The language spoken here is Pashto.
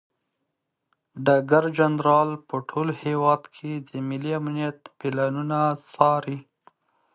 ډګر جنرال په ټول هیواد کې د ملي امنیت پلانونه څاري.